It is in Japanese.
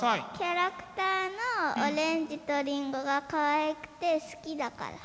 キャラクターのオレンジとりんごがかわいくて好きだから。